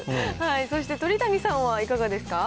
そして鳥谷さんはいかがですか。